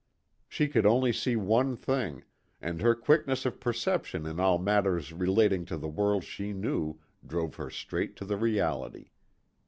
She could see only one thing, and her quickness of perception in all matters relating to the world she knew drove her straight to the reality.